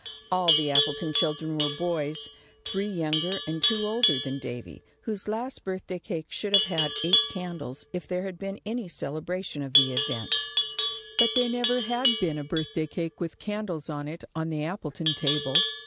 All the Appleton children were boys, three younger and two older than Davy, whose last birthday cake should have had eight candles if there had been any celebration of the event. But there never had been a birthday cake with candles on it on the Appleton table.